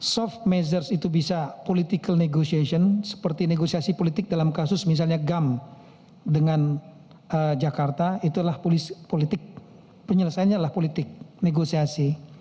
soft measures itu bisa political negotiation seperti negosiasi politik dalam kasus misalnya gam dengan jakarta itu adalah politik penyelesaiannya adalah politik negosiasi